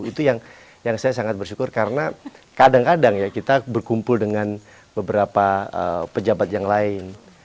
itu yang saya sangat bersyukur karena kadang kadang ya kita berkumpul dengan beberapa pejabat yang lain